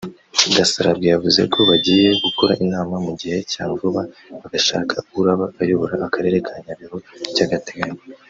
Gasarabwe yavuze ko bagiye gukora inama mu gihe cya vuba bagashaka uraba ayobora akarere ka Nyabihu by’ agateganyo